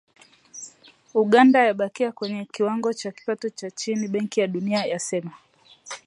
Uganda yabakia kwenye kiwango cha kipato cha chini, Benki ya Dunia yasema